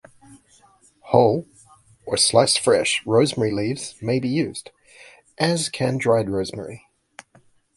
Whole or sliced fresh rosemary leaves may be used, as can dried rosemary.